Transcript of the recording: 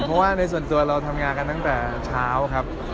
เพราะว่าในส่วนตัวเราทำงานกันตั้งแต่เช้าครับ